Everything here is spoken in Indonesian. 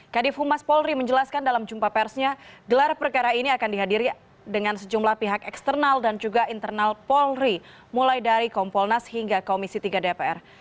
kadif humas polri menjelaskan dalam jumpa persnya gelar perkara ini akan dihadiri dengan sejumlah pihak eksternal dan juga internal polri mulai dari kompolnas hingga komisi tiga dpr